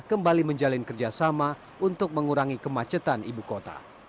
kembali menjalin kerjasama untuk mengurangi kemacetan ibu kota